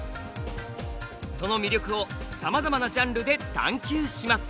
その魅力をさまざまなジャンルで探究します。